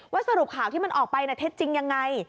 สรุปข่าวที่มันออกไปเท็จจริงยังไง